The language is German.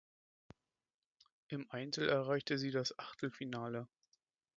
Im Einzel erreichte sie das Achtelfinale.